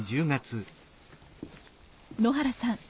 野原さん